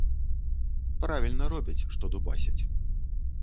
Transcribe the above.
Правільна робяць, што дубасяць.